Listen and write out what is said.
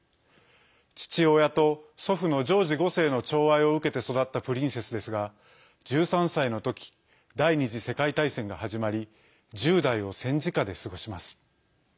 父親と祖父のジョージ５世のちょう愛を受けて育ったプリンセスですが１３歳の時第２次世界大戦が始まり１０代を戦時下で過ごします。